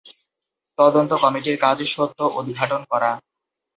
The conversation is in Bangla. তদন্ত কমিটির কাজ সত্য উদ্ঘাটন করা।